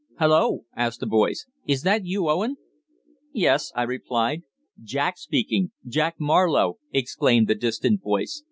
"Hulloa!" asked a voice. "Is that you, Owen?" "Yes," I replied. "Jack speaking Jack Marlowe," exclaimed the distant voice.